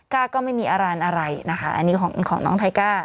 ้าก็ไม่มีอารันอะไรนะคะอันนี้ของน้องไทก้า